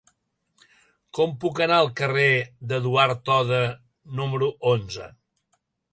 Com puc anar al carrer d'Eduard Toda número onze?